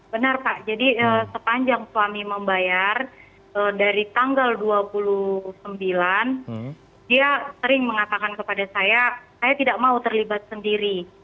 benar pak jadi sepanjang suami membayar dari tanggal dua puluh sembilan dia sering mengatakan kepada saya saya tidak mau terlibat sendiri